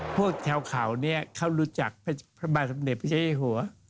พวกแถวข่าวนี้เขารู้จักพระบาทธรรมเดชน์พระเจ้าไอ้หัว